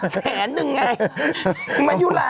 แสนหนึ่งไง